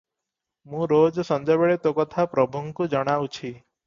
ମୁଁ ରୋଜ ସଞ୍ଜବେଳେ ତୋ କଥା ପ୍ରଭୁଙ୍କୁ ଜଣାଉଛି ।